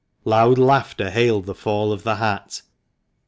Loud laughter hailed the fall of the hat.